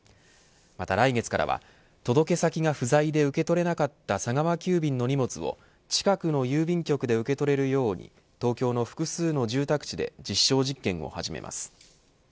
また来月からは届け先が不在で受け取れなかった佐川急便の荷物を近くの郵便局で受け取れるように東京の複数の住宅地で実証実験を始めます。